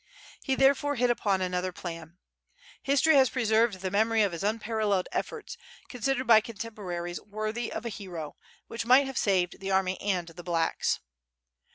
He therefore hit upon another plan. History has preserved the memory of his un paralled efforts, considered by contemporaries worthy of a hero, and which might have saved the army and the "blacks.''